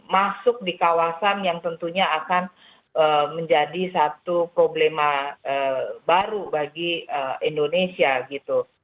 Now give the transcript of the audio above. masuk di kawasan yang tentunya akan menjadi satu problema baru bagi indonesia gitu